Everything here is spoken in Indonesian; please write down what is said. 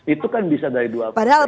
itu kan bisa dari dua faktor